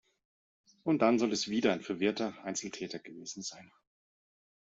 Und dann soll es wieder ein verwirrter Einzeltäter gewesen sein.